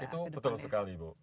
itu betul sekali bu